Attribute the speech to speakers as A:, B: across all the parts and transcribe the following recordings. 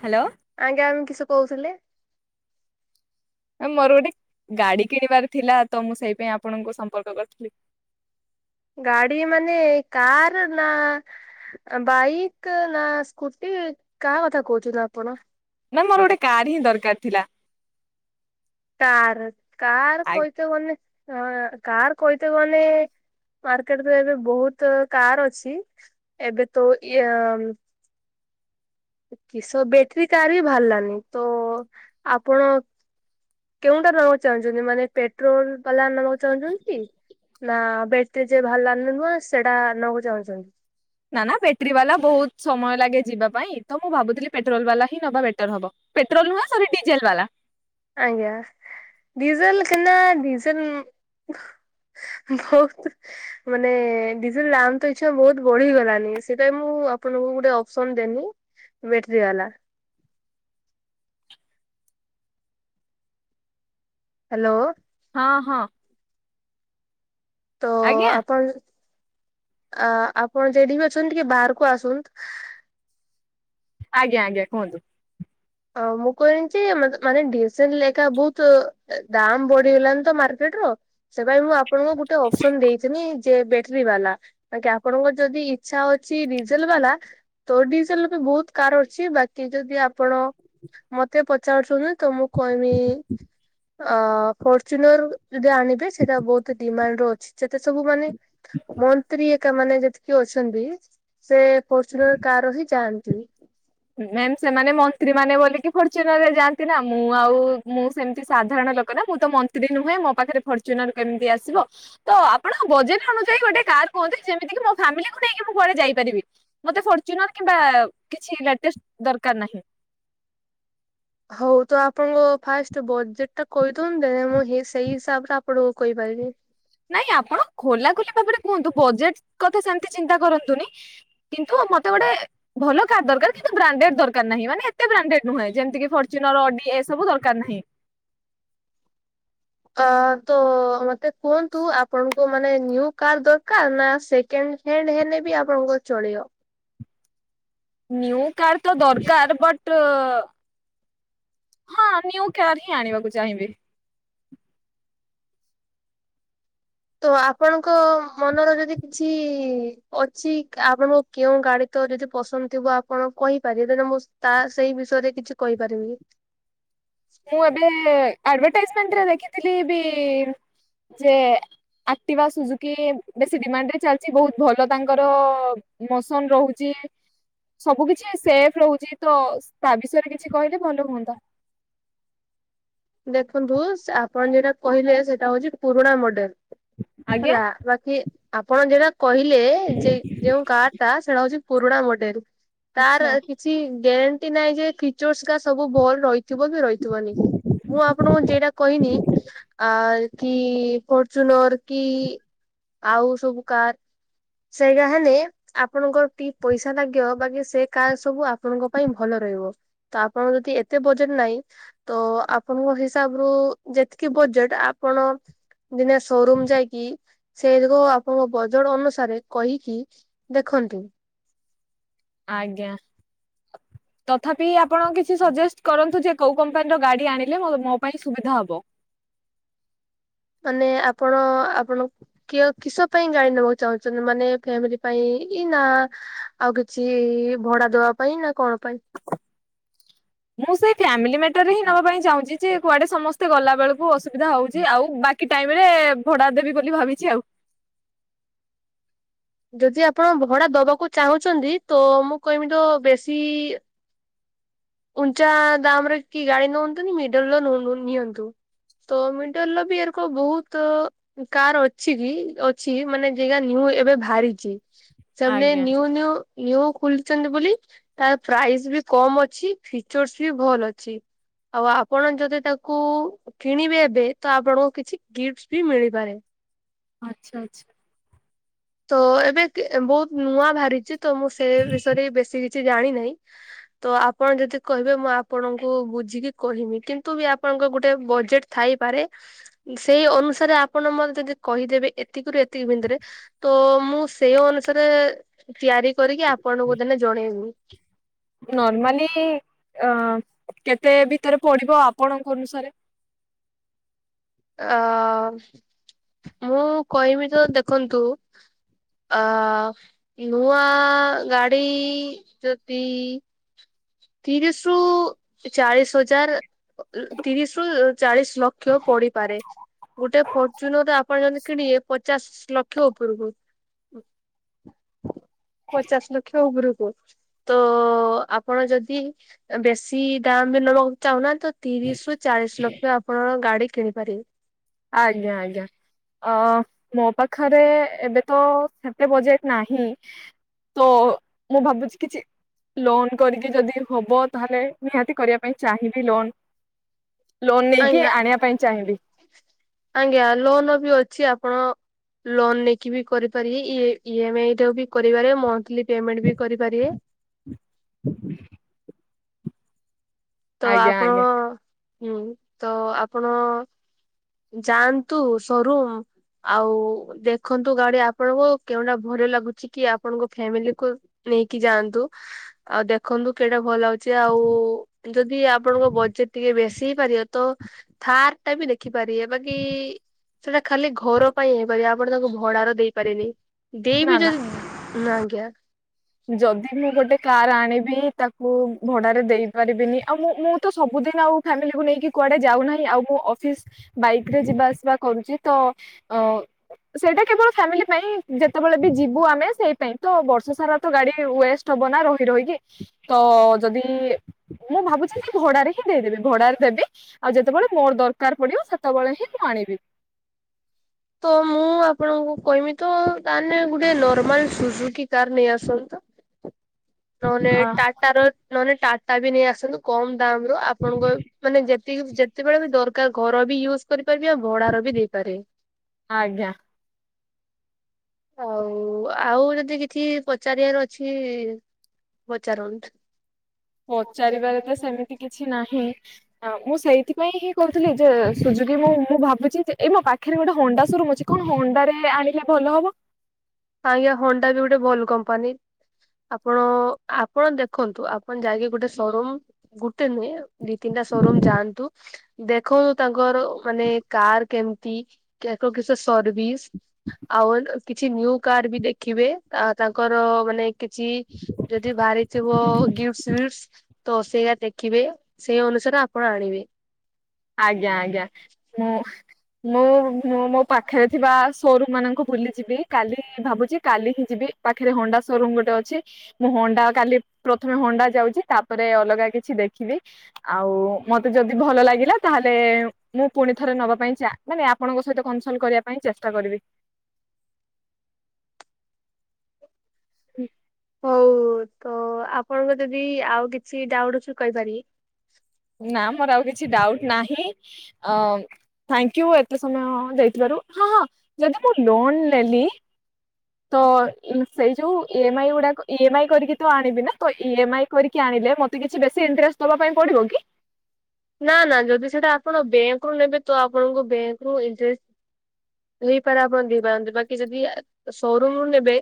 A: Hello.
B: ଆଜ୍ଞା ଆମେ କିଶ କହୁଥିଲେ
A: ଆଜ୍ଞା ମୋର ଗୋଟେ ଗାଡି କିଣିବାର ଥିଲା ତ ମୁଁ ସେଇ ପାଇଁ ଆପଣଙ୍କୁ ସମ୍ପର୍କ କର୍ଥିଲି
B: ଗାଡି ମାନେ କାରେ ନା ବାଇକ୍ ନା ସ୍କୁଟି କାହା କଥା କହୁଛନ୍ତି ଆପଣ?
A: ନାଇ ମୋର ଗୋଟେ କାଢି ଦର୍କାର୍ ଥିଲା।
B: ତାର କାର୍
A: ଆ
B: କହିତେ ଏ କାର୍ କହିତେ ଗଲେ ମାର୍କେଟ୍ କୁ ଏବେ ବହୁତୁ କାର୍ ଅଛି ଏବେ ତୋ ଇଏ କିଶ ବେଟ୍ରି କାର୍ ବି ବାହାଲାନି ତ ଆପଣ କେଉଁଟା ନବାକୁ ଚାହୁଁଛନ୍ତି ମାନେ ପେଟ୍ରୋଲ୍ ବାଲା ନବାକୁ ଚାହୁଁଛନ୍ତି ନା ବେ ଟିଏ ଯେ ଭଲାନି ନୁହେଁ ସେଟା ନବାକୁ ଚାହୁଁଛନ୍ତି
A: ନା ନା ବେଟ୍ରି ବାଲା ବହୁତ୍ ସମୟ ଲାଗେ ଯିବା ପାଇଁ ତ ମୁଁ ଭାବୁଥିଲି ପେଟ୍ରୋଲ୍ ବାଲା ହିଁ ନବା ବେଟର୍ ହବ ପେଟ୍ରୋଲ୍ ନୁହଁ ସରି ଡିଜେଲ୍ ବାଲା
B: ଆଜ୍ଞା ଡିଜେଲ୍ କେନା ଡିଜେଲ୍ ବହୁତୁ ମାନେ ଡିଜେଲ୍ ଲାମ୍ ତ ପିଛା ବହୁତ୍ ବଢି ଗଲାଣି ସେଇଥି ପାଇଁ ମୁଁ ଆପଣଙ୍କୁ ଗୋଟେ ଅପସନ୍ ଦେଲି ବେଟ୍ରି ବାଲା ହାଲୋ।
A: ହଁ ହଁ।
B: ତ
A: ଆଜ୍ଞା
B: ଆପଣ୍ ଆପଣ ଯେଡେବି ଅଛନ୍ତି ଟିକେ ବାହାର୍କୁ ଆସନ୍ତୁ
A: ଆଜ୍ଞା ଆଜ୍ଞା କୁହନ୍ତୁ
B: ଆଉ ମୁଁ କହିଲି ଯେ ମାନେ [inaudible] ଲେଖା ବହୁତୁ ଦାମ୍ ବଢିଗଲାଣି ତ ମାର୍କେଟ୍ ର ସେ କହିବେ ମୁଁ ଆପଣଙ୍କୁ ଗୋଟେ ଅପସନ୍ ଦେଇଥିନି ଯେ ବ୍ୟାଟେରୀ ବାଲା ତାକି ଆପଣଙ୍କର ଯଦି ଇଚ୍ଛା ଅଛି ଡିଜେଲ୍ ବାଲା ତ ଡିଜେଲ ବି ବହୁତ କାର ଅଛି ବାକି ଯଦି ଆପଣ ମୋତେ ପଚାରୁଛନ୍ତି ତ ମୁଁ କହିବି ଅ ଫର୍ଚୁନର ଯଦି ଆଣିବେ ସେଇଟା ବହୁତ ଡିମାଣ୍ଡ ଅଛି ଯେତେ ସବୁମାନେ ମନ୍ତ୍ରୀ ହେରିକା ମାନେ ଯେତିକି ଅଛନ୍ତି ସେ ଫଚୁ଼ନର କାରରେ ହିଁ ଯାଆନ୍ତି।
A: ମ୍ୟାମ ସେମାନେ ମନ୍ତ୍ରୀ ମାନେ ବୋଲିକି ଫର୍ଚୁନରରେ ଯାଆନ୍ତି ନା ମୁଁ ଆଉ ମୁଁ ସେମିତି ସାଧାରଣ ଲୋକ ମୁଁ ତ ମନ୍ତ୍ରୀ ନୁହେଁ ମୋ ପାଖରେ ଫର୍ଚୁନର କେମିତି ଆସିବ। ତ ଆପଣ ବଜେଟ ଅନୁଯାୟୀ ଗୋଟେ କାର୍ କୁହନ୍ତୁ, ଯେମିତି କିି ମୋ ଫ୍ୟାମିଲିକୁ ନେଇକି ମୁଁ କୁଆଡ଼େ ଯାଇପାରିବି। ମୋତେ ଫର୍ଚୁନର କିମ୍ବା କିଛି ଲାଟେଷ୍ଟ୍ ଦରକାର ନାହିଁ।
B: ହଉ ତ ଆପଣଙ୍କ ଫାଷ୍ଟ ବଜେଟ୍ ଟା କହିଦିଅନ୍ତେ ମୁଁ ସେଇ ହିସାବ ରେ ଆପଣଙ୍କୁ କହିପାରିବି।
A: ନାଇଁ ଆପଣ ଖୋଲା ଖୋଲି ଭାବରେ କୁହନ୍ତୁ ବଜେଟ୍ କଥା ସେମିତି ଚିନ୍ତା କରନ୍ତୁନି କିନ୍ତୁ ମତେ ଗୋଟେ ଭଲ କାର୍ ଦରକାର କିନ୍ତୁ ବ୍ରାଣ୍ଡେଡ ଦରକାର ନାହିଁ ମାନେ ଏତେ ବ୍ରାଣ୍ଡେଡ ନୁହେଁ ଯେମିତିକ ଫର୍ଚୁନର, ଅଡି ଏସବୁ ଦରକାର ନାହିଁ।
B: ଅ ତ ମତେ କୁହନ୍ତୁ ଆପଣଙ୍କୁ ମାନେ ନିଉ କାର୍ ଦରକାର ନା ସେ ସେକେଣ୍ଡ ହ୍ୟାଣ୍ଡ ହେଲେ ବି ଆପଣଙ୍କ ଚଳିବ।
A: ନିଉ କାର୍ ତ ଦରକାର ବଟ୍ ହଁ ନିଉ କାର ହିଁ ଆଣିବାକୁ ଚାହିଁବି।
B: ତ ଆପଣଙ୍କ ମନର ଯଦି କିଛି ଅଛି ଆପ କେଉଁ ଗାଡି ତ ଯଦି ପସନ୍ଦ ଥିବ ଆପଣ କହିପାରିବେ ତେ ମୁଁ ତା ସେଇ ବିଷୟରେ କିଛି କହିପାରିବିନି।
A: ମୁଁ ଏବେ ଆଡଭାଟାଇଜମେଣ୍ଟ ଦେଖିଥିଲି ବି ଯେ ଆକ୍ଟିବା ସୁଝୁ କି ବେଶୀ ଡିମାଣ୍ଡ ରେ ଚାଲିଛି ବହୁତ ଭଲ ତାଙ୍କର ମୋସନ ରହୁଛି। ସବୁ କିଛି ସେଫ ରହୁଛି ତ ତା ବିଷୟରେ କିଛି କହିଲେ ଭଲ ହୁଅନ୍ତା।
B: ଦେଖନ୍ତୁ ସା ଆପଣ ଯେଟା କହିଲେ ସେଇଟା ହଉଛି ପୁରୁଣା ମଡେଲ୍।
A: ଆଜ୍ଞା।
B: ହେଲା ବାକି ଆପଣ ଯେଟା କହିଲେ ଯେ ଯୋଉ କାର ଟା ସେଇଟା ହଉଛି ପୁରୁଣା ମଡେଲ୍ ତାର
A: ଆଚ୍ଛା।
B: କିଛି ଗ୍ୟାରେଣ୍ଟି ନାହିଁ ଯେ ଫିକ୍ଚର କାସ୍ ସବୁ ଭଲ ରହିଥିବ ବି ରହିଥିବନି ମୁଁ ଆପଣଙ୍କୁ ଯେଟା କହିନି ଆ କି ଫର୍ଚୁନର କି ଆଉ ସବୁ କାର ସେଇରା ହେନେ ଆପଣଙ୍କର ଟିକେ ପଇସା ଲାଗିବ ବାକି ସେ କାର୍ ସବୁ ଆପଣଙ୍କ ପାଇଁ ଭଲ ରହିବ। ତ ଆପଣଙ୍କ ଯଦି ଏତେ ବଜେଟ୍ ନାହିଁ ତ ଆ ଆପଣଙ୍କ ହିସାବ ରୁ ଯେତିକି ବଜେଟ୍ ଆପଣ ଦିନେ ସୋରୁମ୍ ଯାଇକି ସେଇକ ଯୋଗୁ ଆପଣଙ୍କ ବଜେଟ୍ ଅନୁସାରେ କହିକି ଦେଖନ୍ତୁ।
A: ଆଜ୍ଞା।
B: [inaudible]
A: ତଥାପି ଆପଣ କିଛି ସଜେଷ୍ଟ କରନ୍ତୁ ଯେ କୋଉ କମ୍ପାନୀ ର ଗାଡି ଆଣିଲେ ମୋ ପାଇଁ ସୁବିଧା ହବ।
B: ମାନେ ଆପଣ ଆପଣ କିୟ କିସ ପାଇଁ ଗାଡ଼ି ନେବାକୁ ଚାହୁଁଛନ୍ତି ମାନେ ଫ୍ୟାମିଲି ପାଇଁ ଇ ନା ଆଉ କିଛି ଭଡ଼ା ଦବା ପାଇଁ ନା କଣ ପାଇଁ
A: ମୁଁ ସେ ଫ୍ୟାମିଲି ମାଟର ରେ ହିଁ ନବା ପାଇଁ ଚାହୁଁଛି ଯେ କୁଆଡେ ସମସ୍ତେ ଗଲା ବେଳକୁ ଅସୁବିଧା ହଉଛି ଆଉ ବା କି ଟାଇମ୍ ରେ ଭଡ଼ା ଦେବି ବୋଲି ଭାବିଛି ଆଉ।
B: ଯଦି ଆପଣ ଭଡ଼ା ଦବାକୁ ଚାହୁଁଛନ୍ତି ତ ମୁଁ କହମି ତ ବେଶୀ ଉଞ୍ଚା ଦାମ୍ ରେ କି ଗାଡି ନିଅନ୍ତୁନି ମିଡିଲ୍ ର ନୁ ନୁ ନିଅନ୍ତୁ। ତ ମିଡିଲ୍ ର ବି ଏରକ ବହୁତ କାର ଅଛି କି ଅଛି ମାନେ ଯେଗା ନିଉ ଏବେ ବାହାରିଛି। ସେମାନେ
A: ଆଜ୍ଞା।
B: ନିୟୁ ନିୟୂ ନିୟୁ ଖୋଲିଛନ୍ତି ବୋଲି [inaudible] ତା ପ୍ରାଇସ ବି କମ ଅଛି। ଫିଚର୍ସ ବି ଭଲ ଅଛି। [inaudible] ଆଉ ଆପଣ ଯଦି ତାକୁ କିଣିବେ ଏବେ ତ ଆପଣଙ୍କୁ କିଛି ଗିଫ୍ଟ ବି ମିଳିପାରେ।
A: ଆଚ୍ଛା!। ଆଚ୍ଛା!।
B: ତ ଏବେ ଏ ବହୁତ ନୂଆ ବାହାରିଛି ତ ମୁଁ ସେ ବିଷୟରେ ବେଶୀ କିଛି ଜାଣି ନାଇ। ତ ଆପଣ ଯଦି କହିବେ ମୁଁ ଆପଣଙ୍କୁ ବୁଝିକି କହିବି। କିନ୍ତୁ ବି ଆପଣଙ୍କ ଗୋଟେ ବଜେଟ ଥାଇପାରେ। [inaudible] ସେଇ ଅନୁସାରେ ଆପଣ ମତେ ଯଦି କହିଦେବେ ଏତିକିରୁ ଏତିକି ଭିତରେ ତ ମୁଁ ସେଇ ଅନୁସାରେ ତିଆରି କରିକି ଆପଣଙ୍କୁ ଦିନେ ଜଣେଇବି।
A: ନର୍ମାଲି [inaudible] ଏ କେତେ ଭିତରେ ପଢିବ ଆପଣଙ୍କ ଅନୁସାରେ?
B: ଅ [inaudible] ମୁଁ କହିବି ତ ଦେଖନ୍ତୁ ଆ- ଆ [inaudible] ନୂଆ ଗାଡ଼ି [inaudible] ଯଦି ତିରିଶ ରୁ ଚାଳିଶ ହଜାର ତିରିଶ ରୁ ଚାଳିଶ ଲକ୍ଷ ପଡିପାରେ। ଗୋଟେ ଫର୍ଚୁନର ଟେ ଆପଣ ଯଦି କିଣିବେ ପଚାଶ ଲକ୍ଷ ଲକ୍ଷ ଉପରକୁ [inaudible] ପଚାଶ ଲକ୍ଷ ଉପରକୁ ତ ଆପଣ ଯଦି [inaudible] ବେଶୀ ଦାମ ବି ନବାକୁ ଚାହୁଁନାହାନ୍ତି ତ ତିରିଶରୁ ଚାଳିଶ ଲକ୍ଷ ଆପଣଙ୍କ ଗାଡି କିଣିପାରିବେ।
A: ଆଜ୍ଞା! ଆଜ୍ଞା! ଅ ଅ ମୋ ପାଖରେ ଏବେ ତ ସେତେ ବଜେକ୍ଟ ନାହିଁ। ତ [inaudible] ମୁଁ ଭାବୁଛି କିଛି ଲୋନ କରିକି ଯଦି ହବ ତାହେଲେ ନିହାତି କରିବା ପାଇଁ ଚାହିଁବି ଲୋନ। ଲୋନ୍ ନେଇକି
B: ଆଜ୍ଞା
A: ଆଣିବା ପାଇଁ ଚାହିଁବି।
B: ଆଜ୍ଞା!। ଲୋନ ବି ଅଛି ଆପଣ ଲୋନ ନେଇକି ବି କରିପାରିବେ ଇ ଏ ଇ ଏମ ଆଇ ବି କରିପାରିବେ। ମନ୍ଥଲି ପେମେଣ୍ଟ ବି କରିପାରିବେ। ତ
A: ଆଜ୍ଞା
B: ଆପଣ
A: ଆଜ୍ଞା
B: [inaudible] ହୁଁ [inaudible] ତ ଆପଣ ଯାଆନ୍ତୁ ସରୁମ୍। ଆଉ ଦେଖନ୍ତୁ ଗାଡି ଆପଣଙ୍କୁ କେଉଁଟା ଭଲ ଲାଗୁଛି କି ଆପଣଙ୍କ ଫ୍ୟାମିଲି କୁ? ନେଇକି ଯାଆନ୍ତୁ। ଆଉ ଦେଖନ୍ତୁ କେଟା ଭଲ ଲାଉଛି ଆଉ ଯଦି ଆପଣଙ୍କ ବଜେଟ ଟିକେ ବେଶୀ ହେଇପାରିବ ତ ଥାର୍ ଟା ବି ଦେଖିପାରିବେ ବାକି ଇ - ଇ ସେଇଟା ଖାଲି ଘର ପାଇଁ ହେଇ ପରିବା। ଆପଣ ତାଙ୍କୁ ଭଡାର ଦେଇପାରିବେନି।
A: ନା
B: ଦେଇବି ଯଦି [unintelligible]
A: ଯଦି ମୁଁ ଗୋଟେ କାର୍ ଆଣିବି ତାକୁ ଭଡାରେ ଦେଇ ପାରିବିନି ଆଉ ମୁଁ ମୁଁ ତ ସବୁଦିନ ଆଉ ଫାମିଲିକୁ ନେଇକି କୁଆଡେ ଯାଉନାହିଁ। ଆଉ ମୁଁ ଅଫିସ ବାଇକ ରେ ଯିବା ଆସିବା କରୁଛି। ତ ଅ ସେଇଟା କେବଳ ଫ୍ୟାମିଲି ପାଇଁ। ଯେତେବେଳେ ବି ଯିବୁ ଆମେ ସେଇ ପାଇଁ ତ ବର୍ଷ ସାରା ତ ଗାଡି ୱେଷ୍ଟ ହବ ନା ରହି ରହିକି। [inaudible] ତ ଯଦି ମୁଁ ଭାବୁଛନ୍ତି ଭଡାରେ ହିଁ ଦେଇଦେବି। ଭଡାରେ ଦେବି। ଆଉ ଯେତେବେଳେ ମୋର ଦରକାର ପଡିବ ସେତେବେଳେ ହିଁ ମୁଁ ଆଣିବି।
B: ତ ମୁଁ ଆପଣଙ୍କୁ କହିମି ତ ତାନେ ଗୋଟେ ନର୍ମାଲ ସୁଜୁ କି କାର ନେଇ ଆସନ୍ତ। ନହଲେ ଟାଟା ର ନହେଲେ ଟାଟା ବି ନେଇ ଆସନ୍ତୁ। କମ ଦାମ ରୁ ଆପଣଙ୍କ [inaudible] ମାନେ ଯେ ଯେତେବେଳେ ବି ଦରକାର ଘର ବି ୟୁଜ୍ କରିପାରିବେ ଆଉ ଭଡାର ବି ଦେଇପାରିବେ।
A: ଆଜ୍ଞା
B: ହଉ ଆଉ ଯଦି କିଛି ପଚାରିବାର ଅଛି ପଚାରନ୍ତୁ?
A: ପଚାରିବାରେ ତ ସେମିତି କିଛି ନାହିଁ। ହ ମୁଁ ସେଇଥିପାଇଁ ହିଁ କହୁଥିଲି ଯେ ସୁଯୋଗି ମୁଁ ମୁଁ ଭାବୁଛି ଯେ ଏଇ ମୋ ପା ପାଖରେ ଗୋଟେ ହଣ୍ଡା ସରୁମ ଅଛି କଣ ହଣ୍ଡାରେ ଆଣିଲେ ଭଲ ହବ?
B: ଆଜ୍ଞା ହଣ୍ଡା ବି ଗୋଟେ ଭଲ କମ୍ପାନୀ। ଆପଣ ଆପଣ ଦେଖନ୍ତୁ ଆପଣ ଯାଇକି ଗୋଟେ ସୋରୁମ୍ ଗୋଟେ ନୁହେଁ ଦି, ତିନିଟା ସୋରୁମ୍ ଯାଆନ୍ତୁ। ଦେଖନ୍ତୁ ତାଙ୍କର ମାନେ କାର କେମିତି କେକ କିସ ସର୍ଭିସ। ଆଉ କିଛି ନ୍ୟୂ କାର୍ ବି ଦେଖିବେ ତା-ତାଙ୍କର ମାନେ କିଛି ଯଦି ବାହାରିଥିବ ଗିଫ୍ଟଫ୍ସିସ ତ ସେଇଆ ଦେଖିବେ ସେଇ ଅନୁସାରେ ଆପଣ ଆଣିବେ।
A: ଆଜ୍ଞା ଆଜ୍ଞା ମୁଁ ମୁଁ ମୁଁ ମୋ ପାଖରେ ଥିବା ସୋରୁମ ମାନଙ୍କୁ ବୁଲି ଯିବି କାଲି ଭାବୁଛି କାଲି ହିଁ ଯିବି ପାଖରେ ହଣ୍ଡା ସୋରୁମ ଗୋଟେ ଅଛି। ମୁଁ ହଣ୍ଡା କାଲି ପ୍ରଥମେ ହଣ୍ଡା ଯାଉଚି ତାପରେ ଅଲଗା କିଛି ଦେଖିବି। ଆଉ ମତେ ଯଦି ଭଲ ଲାଗିଲା ତାହେଲେ ମୁଁ ପୁଣି ଥରେ ନବା ପାଇଁ ଚା ନାଇଁ ନାଇଁ ଆପଣଙ୍କ ସହିତ କନସଲ କରିବା ପାଇଁ ଚେଷ୍ଟା କରିବି। ହୁଁ
B: ହଉ ତ ଆପଣଙ୍କ ଯଦି ଆଉ କିଛି ଡାଉଟ୍ ଅଛି କହିପାରିବି?
A: ନାଁ ମୋର ଆଉ କିଛି ଡାଉଟ ନାହିଁ ଅ ଥାଙ୍କଉ ଏତେ ସମୟ ଦେଇଥିବାରୁ। ହଁ ହଁ ଯଦି ମୁଁ ଲୋନ ନେଲି ତ ସେଇ ଯୋଉ ଇ ଏମ ଆଇ ଗୁଡାକ ଇ ଏମ ଆଇ କରିକି ତୁ ଆଣିବି ନା ତ ଇ ଏମ ଆଇ। କରିକି ଆଣିଲେ ମତେ କିଛି ବେଶୀ ଇଣ୍ଟରେଷ୍ଟ ଦବା ପାଇଁ ପଡିବ କି?
B: ନା ନା ଯଦି ସେଟା ଆପଣ ବ୍ୟାଙ୍କ ରୁ ନେବେ ତ ଆପଣଙ୍କ ବ୍ୟାଙ୍କୁ ଇଣ୍ଟ ହେପାରେ ଆପଣ ଦେଇପାରନ୍ତି, ବାକି ଯଦି ସୋରୁମ ରୁ ନେବେ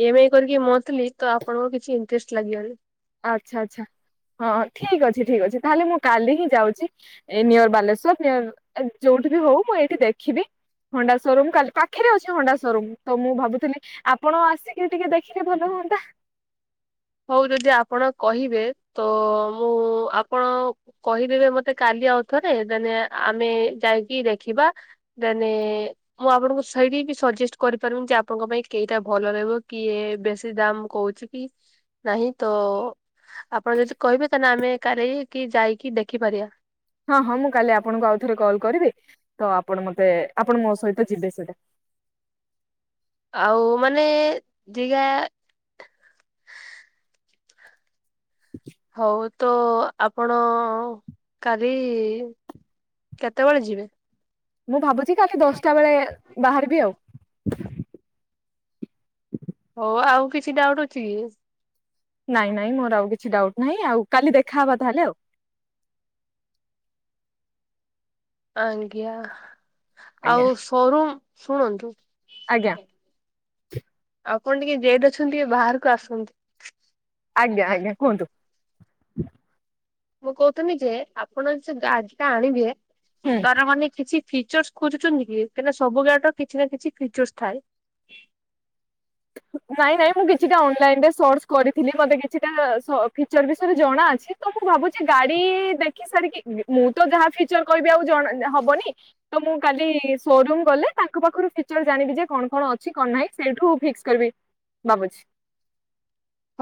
B: ଏ ଏମ ଆଇ କରିକି ମନ୍ଥଲି ତ ଆପଣଙ୍କ କିଛି ଇଣ୍ଟରେଷ୍ଟ ଲାଗିବନି।
A: ଆଚ୍ଛା ଆଚ୍ଛା ହଁ ଠିକ ଅଛି ଠିକ୍ ଅଛି ତାହେଲେ ମୁଁ କାଲି ହିଁ ଯାଉଚି। ଏ ନିଅର ବାଲେଶ୍ଵର ନିଅର ଯୋଉଠି ବି ହଉ ମୁଁ ଏଇଠି ଦେଖିବି। ହୋଣ୍ଡା ସୋରୁମ୍ କାଲି ପାଖରେ ଅଛି ହଣ୍ଡା ସରୁମ୍ ତ ମୁଁ ଭାବୁଥିଲି ଆପଣ ଆସିକି ଟିକେ ଦେଖିଲେ ଭଲ ହୁଅନ୍ତା?
B: ହଉ ଯଦି ଆପଣ କହିବେ ତ ମୁଁ ଆପଣ କହିଦେବେ ମତେ କାଲି ଆଉଥରେ ଦେନ ଆମେ ଯାଇକି ଦେଖିବା ଦାନେ ମୁଁ ଆପଣଙ୍କୁ ସେଇଟ୍ ହେଇକି ସଜେଷ୍ଟ କରିପାରିବି ଯେ ଆପଣଙ୍କ ପାଇଁ କେଇଟା ଭଲ ରହିବ, କିଏ ବେଶୀ ଦାମ କହୁ [unintelligible] ନାହିଁ ତ ଆପଣ ଯଦି କହିବେ ତାହେଲେ ଆମେ କାରିକି ଯାଇକି ଦେଖିପାରିବା?
A: ହଁ ହଁ ମୁଁ କାଲି ଆପଣଙ୍କୁ ଆଉ ଥରେ କଲ୍ କରିବି ତ ଆପଣ ମତେ ଆପଣ ମୋ ସହିତ ଯିବେ ସେଟା।
B: ଆଉ ମାନେ ଦିଗା
A: ହ
B: ହଉ ତ ଆପଣ କାଲି କେତେବେଳେ ଯିବେ?
A: ମୁଁ ଭାବୁଚି କାଲି ଦଶଟା ବେଳେ ବାହାରିବି ଆଉ।
B: ହଉ ଆଉ କିଛି ଡାଉଟ୍ ଅଛି କି?
A: ନାଇଁ ନାଇଁ ମୋର ଆଉ କିଛି ଡାଉଟ୍ ନାହିଁ ଆଉ କାଲି ଦେଖାହବା ତାହେଲେ ଆଉ।
B: ଆଜ୍ଞା
A: ଆଜ୍ଞା
B: ଆଉ ସୋରୁମ୍ ଶୁଣନ୍ତୁ।
A: ଆଜ୍ଞା
B: ଆପଣ ଟିକିଏ ଗେଟ ଅଛନ୍ତି ବାହାରକୁ ଆସନ୍ତୁ।
A: ଆଜ୍ଞା ଆଜ୍ଞା କୁହନ୍ତୁ।
B: ମୁଁ କହୁଥିଲିଯେ ଆପଣ ଗାଡଟା ଆଣିବେ
A: ହୁଁ
B: ତାର ମାନେ କିଛି ଫିଉଚର ଖୋଜୁଛନ୍ତିକି କାହିଁକି ସବୁ ବ୍ୟାଚର କିଛିନା କିଛି ଫ୍ରିଉଚର୍ସ ଥାଏ।
A: ନାଇଁ ନାଇଁ ମୁଁ କିଛିଟା ଅନଲାଇନ ରେ ସର୍ଚ୍ଚ କରିଥିଲି ମତେ କିଛିଟା ସ ଫିଉଚର ବିଷୟରେ ଜଣାଅଛି। ତ ମୁଁ ଭାବୁଛି ଗାଡି ଦେଖି ସାରିକି ମୁଁ ତ ଯାହା ଫିଉଚର କହିବି ଆଉ ଜଣେ ହବନି। ଆଉ ମୁଁ କାଲି ସୋରୁମ ଗଲେ ତାଙ୍କ ପାଖରୁ ଫିଉଚର ଜାଣିବି ଯେ କଣ କଣ ଅଛି କଣ ନାହିଁ ସେଇଠୁ ଫିକ୍ସ? ଫେରବି ଭାବୁଛି।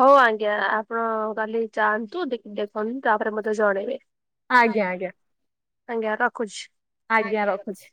B: ହଉ ଆଜ୍ଞା ଆପଣ କାଲି ଯାଆନ୍ତୁ ଦେଖ ଦେଖନ୍ତୁ ତାପରେ ମତେ ଜଣେଇବେ।
A: ଆଜ୍ଞା
B: ଆଞା
A: ଆଜ୍ଞା
B: ଆଜ୍ଞା ରଖୁଛି।
A: ଆଜ୍ଞା ରଖୁଛି।